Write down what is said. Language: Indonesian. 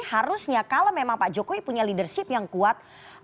harusnya kalau memang pak jokowi punya leadership yang kuat